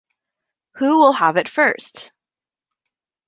Who will have it first?